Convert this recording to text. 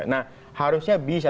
nah harusnya bisa